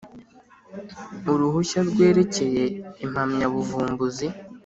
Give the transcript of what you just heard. Uruhushya rwerekeye impamyabuvumbuzi